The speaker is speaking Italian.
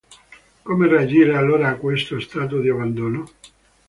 Come reagire allora a questo stato di abbandono?